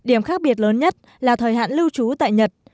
điểm khác biệt lớn nhất là thời hạn lưu trú tại nhật